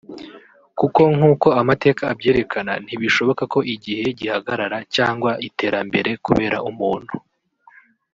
Kuko nk’uko amateka abyerekana ntibishoboka ko igihe gihagarara cyangwa iterambere kubera umuntu